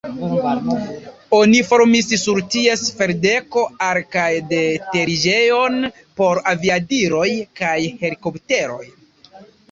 Oni formis sur ties ferdeko al- kaj de-teriĝejon por aviadiloj kaj helikopteroj.